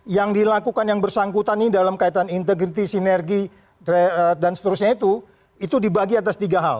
yang dilakukan yang bersangkutan ini dalam kaitan integriti sinergi dan seterusnya itu itu dibagi atas tiga hal